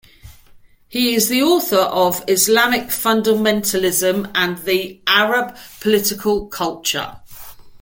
He is the author of "Islamic Fundamentalism and the Arab Political Culture".